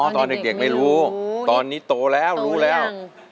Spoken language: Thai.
ตอนเด็กไม่รู้ตอนนี้โตแล้วรู้แล้ว